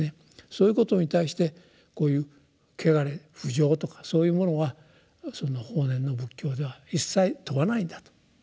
そういうことに対してこういう穢れ不浄とかそういうものは法然の仏教では一切問わないんだと。